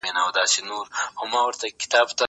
زه به ځواب ليکلی وي!